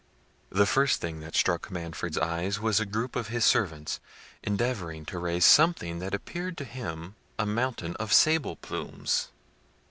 The first thing that struck Manfred's eyes was a group of his servants endeavouring to raise something that appeared to him a mountain of sable plumes.